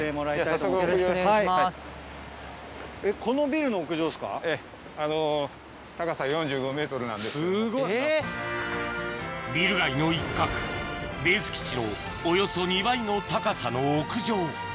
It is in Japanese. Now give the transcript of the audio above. ビル街の一角ベース基地のおよそ２倍の高さの屋上